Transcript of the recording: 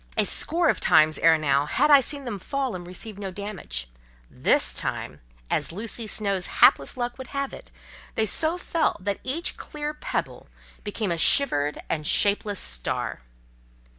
A score of times ere now had I seen them fall and receive no damage—this time, as Lucy Snowe's hapless luck would have it, they so fell that each clear pebble became a shivered and shapeless star.